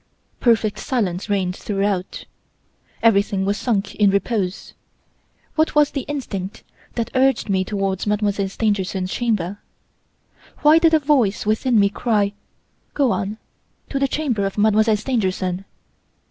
Perfect silence reigned throughout. Everything was sunk in repose. What was the instinct that urged me towards Mademoiselle Stangerson's chamber? Why did a voice within me cry: 'Go on, to the chamber of Mademoiselle Stangerson!